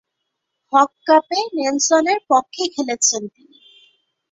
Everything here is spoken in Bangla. হক কাপে নেলসনের পক্ষে খেলেছেন তিনি।